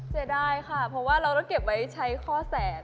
เสียดายค่ะเพราะว่าเราต้องเก็บไว้ใช้ข้อแสน